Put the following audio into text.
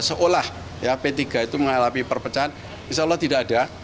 seolah ya p tiga itu mengalami perpecahan insya allah tidak ada